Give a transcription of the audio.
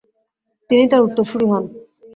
তিনি তার উত্তরসুরি হন।